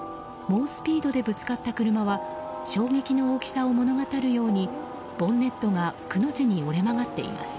猛スピードでぶつかった車は衝撃の大きさを物語るようにボンネットがくの字に折れ曲がっています。